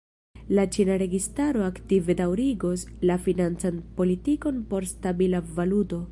La ĉina registaro aktive daŭrigos la financan politikon por stabila valuto.